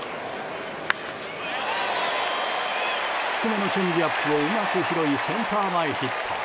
低めのチェンジアップをうまく拾いセンター前ヒット。